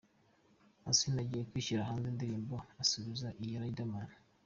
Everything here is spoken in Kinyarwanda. Asinah ugiye gushyira hanze indirimbo isubiza iya Riderman .